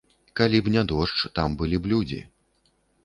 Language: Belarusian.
Калі б не дождж, там былі б людзі.